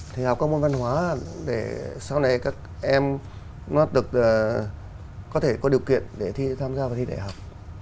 thì học các môn văn hóa để sau này các em nó được có thể có điều kiện để thi tham gia vào thi đại học